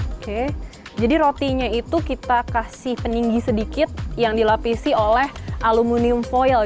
oke jadi rotinya itu kita kasih peninggi sedikit yang dilapisi oleh aluminium foil